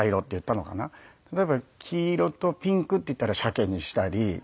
例えば「黄色とピンク」って言ったらシャケにしたり。